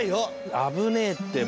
危ねえってば。